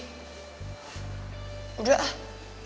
ya udah terus apa kamu ngomong sama mama aku